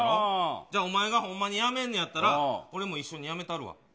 じゃあ、お前がほんまにやめんのやったら、俺も一緒にやめたるわ。